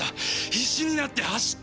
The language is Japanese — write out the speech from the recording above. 必死になって走った！